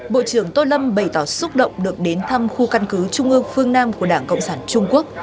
bộ trưởng tô lâm bày tỏ xúc động được đến thăm khu căn cứ trung ương phương nam của đảng cộng sản trung quốc